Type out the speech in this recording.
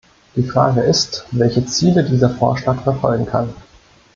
Die Frage ist, welche Ziele dieser Vorschlag verfolgen kann.